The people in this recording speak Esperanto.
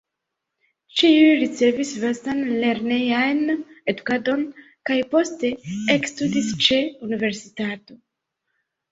Ĉiuj ricevis vastan lernejan edukadon kaj poste ekstudis ĉe universitato.